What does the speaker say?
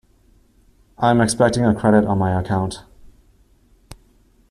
I'm expecting a credit on my account.